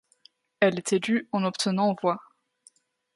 Elle est élue en obtenant voix.